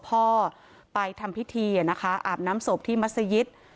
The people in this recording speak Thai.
พ่อไปทำพิธีอะนะคะอาบน้ำสวบที่มัฆยิทธิษฐ์